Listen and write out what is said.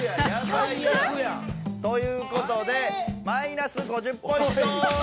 最悪やん。ということでマイナス５０ポイント！